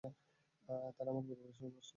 তারা আমার পরিবারের সুনাম নষ্ট করেছে।